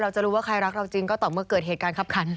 จะรู้ว่าใครรักเราจริงก็ต่อเมื่อเกิดเหตุการณ์คับขัน